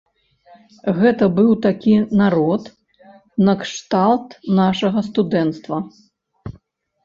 Гэта быў такі народ накшталт нашага студэнцтва.